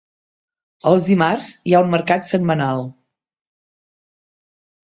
Els dimarts hi ha un mercat setmanal.